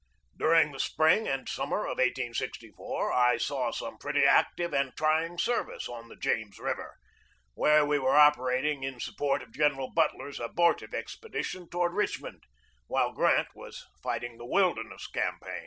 During the spring and summer of 1864 I saw some pretty active and trying service on the James River, where we were operating in sup port of General Butler's abortive expedition toward Richmond, while Grant was fighting the Wilderness campaign.